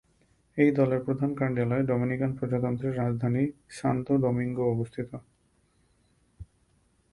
এই দলের প্রধান কার্যালয় ডোমিনিকান প্রজাতন্ত্রের রাজধানী সান্তো দোমিঙ্গোয় অবস্থিত।